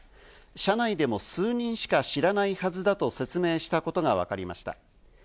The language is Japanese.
社内でも数人しか知らないはずだと説明したことがわかりました。